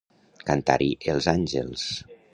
Cantar-hi els àngels.